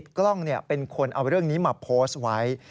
กล้องเป็นคนเอาเรื่องนี้มาโพสต์ไว้